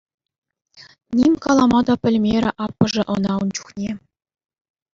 Ним калама та пӗлмерӗ аппӑшӗ ӑна ун чухне.